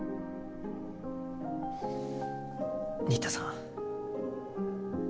新田さん